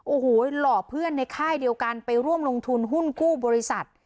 โอ้โหหล่อเพื่อนในค่ายเดียวกันไปร่วมลงทุนหุ้นกู้บริษัท